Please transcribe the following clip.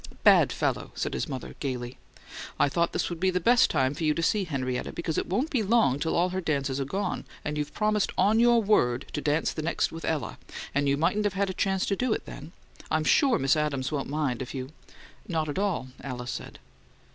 "Bad fellow!" said his mother, gaily. "I thought this would be the best time for you to see Henrietta, because it won't be long till all her dances are gone, and you've promised on your WORD to dance the next with Ella, and you mightn't have a chance to do it then. I'm sure Miss Adams won't mind if you " "Not at all," Alice said.